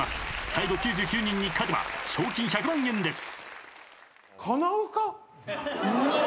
最後９９人に勝てば賞金１００万円です。